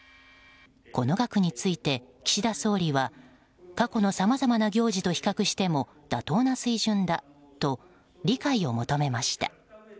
この額について、岸田総理は過去のさまざまな行事と比較しても妥当な水準だと理解を求めました。